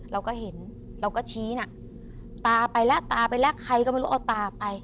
เราก็เห็นเราก็ชี้นะตาไปแล้วตาไปแล้วใครก็ไม่รู้เอาตาไป